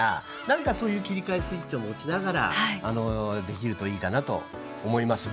何かそういう切り替えスイッチを持ちながらできるといいかなと思います。